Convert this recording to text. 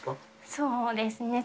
そうですね。